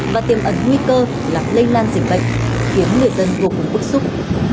và tiêu ẩn nguy cơ lạc lây lan dịch bệnh khiến người dân vô cùng bức xúc